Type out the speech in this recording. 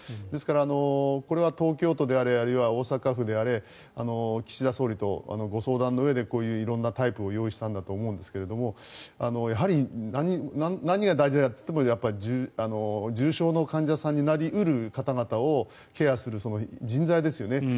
ですから、これは東京都であれあるいは大阪府であれ岸田総理とご相談のうえで色んなタイプを用意したんだと思うんですけどやはり何が大事かというと重症の患者さんになり得るという方々をケアする人材ですよね。